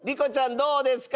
どうですか？